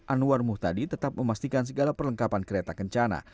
anwar muhtadi tetap memastikan segala perlengkapan kereta kencana